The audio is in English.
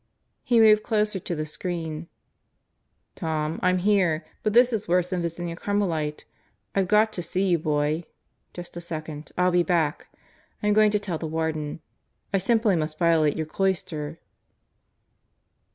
He moved closer to the screen. "Tom, I'm here. But this is worse than visiting a Carmelite. I've got to see you, boy. Just a second I'll be back. I'm going to tell the Warden. I simply must violate your cloister."